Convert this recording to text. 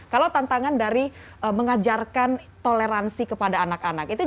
kalau tantangan dari mengajarkan toleransi kepada anak anak